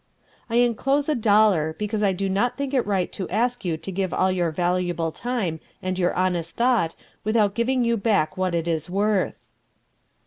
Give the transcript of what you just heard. "I enclose a dollar, because I do not think it right to ask you to give all your valuable time and your best thought without giving you back what it is worth."